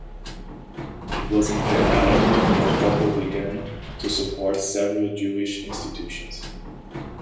It was in Ferrara that the couple began to support several Jewish institutions.